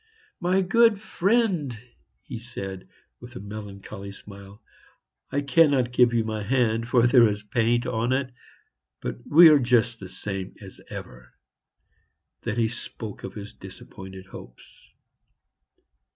"My good friend," he said, with a melancholy smile, "I cannot give you my hand, for there is paint on it; but we are just the same as ever." Then he spoke of his disappointed hopes.